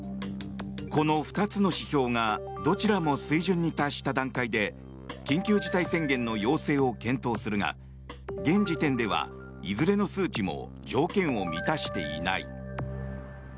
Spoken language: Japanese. この２つの指標がどちらも水準に達した段階で緊急事態宣言の要請を検討するが現時点では、いずれの数値も条件を満たしていない。